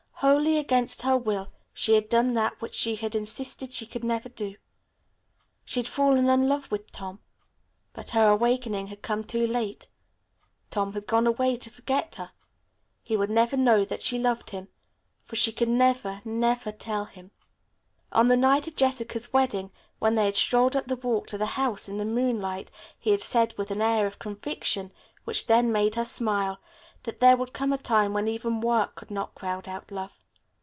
Wholly against her will she had done that which she had insisted she could never do. She had fallen in love with Tom. But her awakening had come too late. Tom had gone away to forget her. He would never know that she loved him, for she could never, never tell him. On the night of Jessica's wedding, when they had strolled up the walk to the house in the moonlight, he had said with an air of conviction, which then made her smile, that there would come a time when even work could not crowd out love.